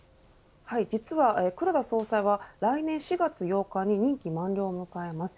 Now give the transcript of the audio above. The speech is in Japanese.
実は黒田総裁は来年４月８日に任期満了を迎えます。